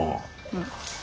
うん。